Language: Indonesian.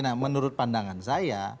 nah menurut pandangan saya